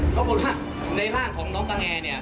เพราะสมควรในภาคนอนของน้องตางแอนเนี่ย